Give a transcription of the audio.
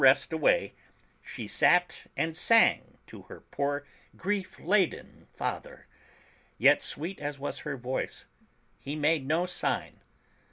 rest away, she sat and sang to her poor grief laden father; yet, sweet as was her voice, he made no sign.